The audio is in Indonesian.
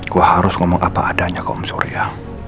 gue harus ngomong apa adanya ke om surya